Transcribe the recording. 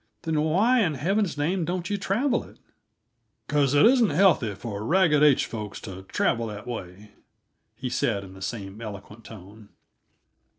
"Then why in Heaven's name don't you travel it?" "Because it isn't healthy for Ragged H folks to travel that way," he said, in the same eloquent tone.